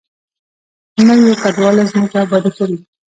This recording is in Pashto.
نویو کډوالو ځمکې ابادې کړې.